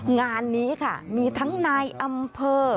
งานนี้ค่ะมีทั้งนายอำเภอ